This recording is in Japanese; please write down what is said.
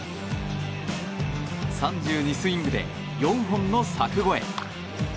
３２スイングで４本の柵越え。